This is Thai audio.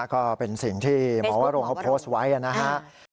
ก็เป็นสิ่งที่หมอวรงเขาโพสต์ไว้นะครับ